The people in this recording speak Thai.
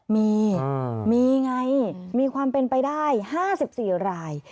มีมีไงมีความเป็นไปได้๕๔ราย